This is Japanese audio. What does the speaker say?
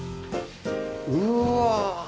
うわ！